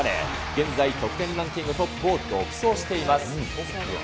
現在、得点ランキングトップを独走しています。